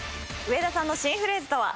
上田さんの新フレーズとは？